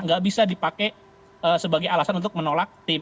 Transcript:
nggak bisa dipakai sebagai alasan untuk menolak tim